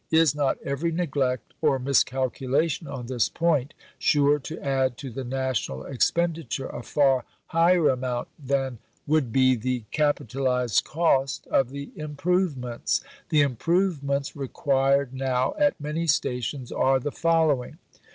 Is not every neglect or miscalculation on this point sure to add to the national expenditure a far higher amount than would be the capitalized cost of the improvements? The improvements required now at many Stations are the following....